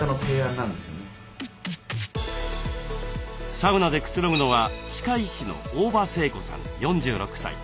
サウナでくつろぐのは歯科医師の大庭聖子さん４６歳。